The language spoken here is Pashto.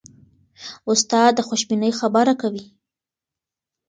استادان د خوشبینۍ خبره کوي.